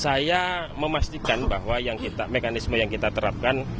saya memastikan bahwa mekanisme yang kita terapkan